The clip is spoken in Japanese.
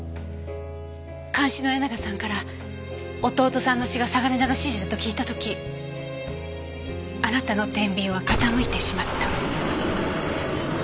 看守の矢長さんから弟さんの死が嵯峨根田の指示だと聞いた時あなたの天秤は傾いてしまった。